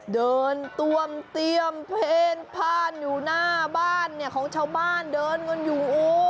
เดินตวมเตรียมเพ่นผ้านอยู่หน้าบ้านเนี่ยของชาวบ้านเดินกันอยู่